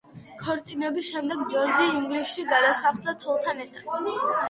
ქორწინების შემდეგ ჯორჯი ინგლისში გადასახლდა ცოლთან ერთად.